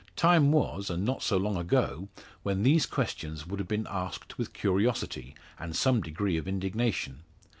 Time was, and not so long ago, when these questions would have been asked with curiosity, and some degree of indignation.